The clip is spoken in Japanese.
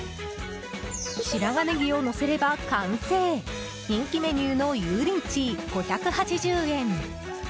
白髪ネギをのせれば完成人気メニューの油淋鶏、５８０円。